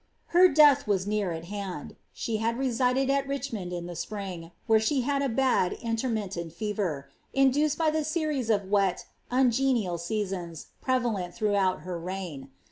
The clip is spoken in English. Her death was near at hand : she had resided at Richmond in the spring, where she caught a bad intermittent fever, induced by the series of wet, ungenial seasons, prevalent throughout her reign.